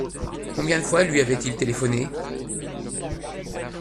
Combien de fois lui avaient-ils téléphoné ?